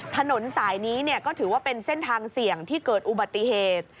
ถนนสายนี้ก็ถือว่าเป็นเส้นทางเสี่ยงที่เกิดอุบัติเหตุ